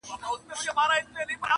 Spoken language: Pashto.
هر سړی به مستقیم پر لاري تللای -